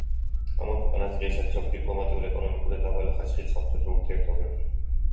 ამ ორ ქვეყანას დღეისათვის აქვთ დიპლომატიური, ეკონომიკური და დაბალი ხარისხით სამხედრო ურთიერთობები.